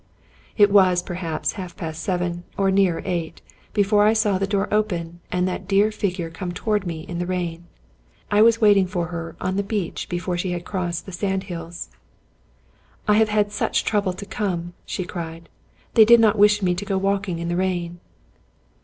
It was, perhaps, half past seven, or nearer eight, before I saw the door open, and that dear figure come toward me in the rain. I was waiting for her on the beach before she had crossed the sand hills. " I have had such trouble to come !" she cried. " They did not wish me to go walking in the rain."